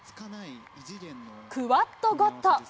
クワッドゴッド。